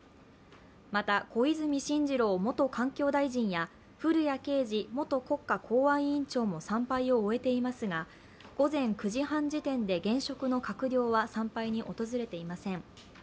また、小泉進次郎元環境大臣や古屋圭司元国家公安委員長も参拝を終えていますが午前９時半時点で現職の閣僚は参拝に訪れていません。